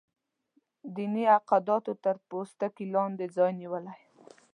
دیني اعتقاداتو تر پوستکي لاندې ځای نیولی.